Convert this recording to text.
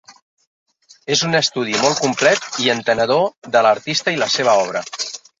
És un estudi molt complet i entenedor de l'artista i la seva obra.